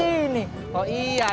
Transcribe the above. jadi aja lah lihat lihat guru